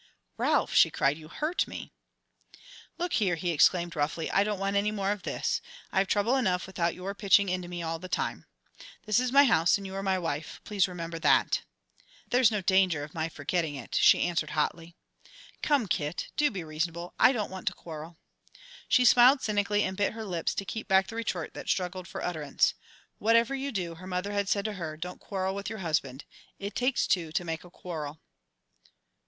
"Ralph!" she cried, "you hurt me!" "Look here," he exclaimed roughly, "I don't want any more of this. I have trouble enough without your pitching into me all the time. This is my house and you are my wife please remember that." "There's no danger of my forgetting it," she answered hotly. "Come, Kit, do be reasonable. I don't want to quarrel." She smiled cynically and bit her lips to keep back the retort that struggled for utterance. "Whatever you do," her mother had said to her, "don't quarrel with your husband. It takes two to make a quarrel."